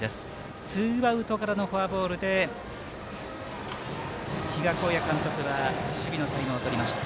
ツーアウトからのフォアボールで比嘉公也監督は守備のタイムをとりました。